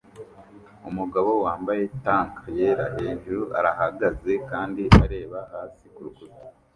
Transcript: Umugabo wambaye tank yera hejuru arahagaze kandi areba hasi kurutare